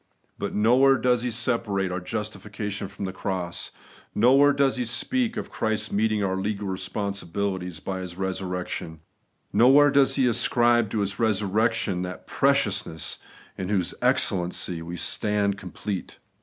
But nowhere does he separate our justification from the cross; nowhere does he speak of Christ meeting our legal responsibilities by His resurrection; nowhere does he ascribe to His resurrection that preciousness in whose excellency we stand complete.